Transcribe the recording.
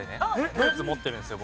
ブーツ持ってるんですよ